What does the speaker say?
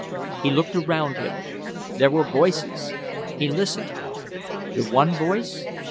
He looked around him. There were voices. He listened. The one voice?